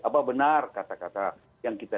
apa benar kata kata yang kita